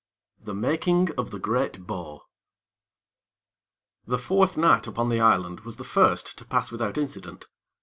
XII The Making of the Great Bow The fourth night upon the island was the first to pass without incident.